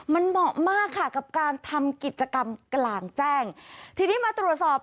มันเหมาะมากค่ะกับการทำกิจกรรมกลางแจ้งทีนี้มาตรวจสอบ